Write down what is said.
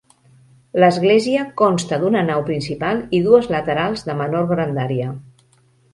L'església consta d'una nau principal i dues laterals de menor grandària.